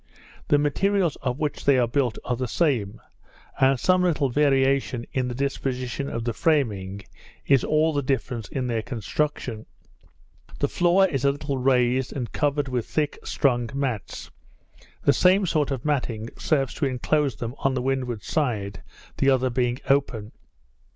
The materials of which they are built are the same; and some little variation in the disposition of the framing, is all the difference in their construction. The floor is a little raised, and covered with thick strong mats; the same sort of matting serves to inclose them on the windward side, the other being open.